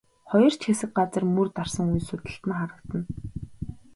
Хоёр ч хэсэг газар мөр дарсан үе судалтан харагдана.